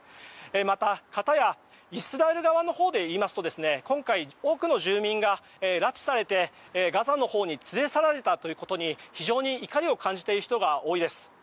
またかたやイスラエル側のほうでいいますと今回、多くの住民が拉致されてガザのほうに連れ去られたということに非常に怒りを感じている人が多いです。